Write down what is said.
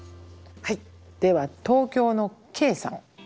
はいでは東京のＫＥＩさん。